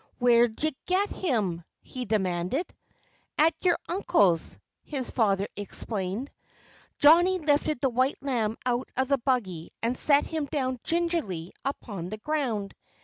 "Where'd you get him?" he demanded. "At your uncle's!" his father explained. Johnnie lifted the white lamb out of the buggy and set him down gingerly upon the ground.